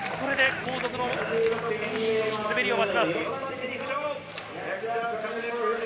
後続の滑りを待ちます。